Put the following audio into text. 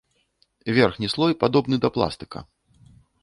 Верхні слой падобны да пластыка.